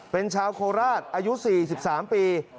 เป็นชาวโคราชอายุ๔๓ปี